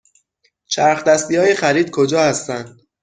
چرخ دستی های خرید کجا هستند؟